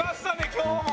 今日も！」